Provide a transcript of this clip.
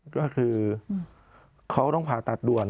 ก็คือเขาต้องผ่าตัดด่วน